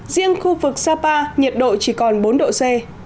riêng khu vực sapa nhiệt độ chỉ còn bốn độ c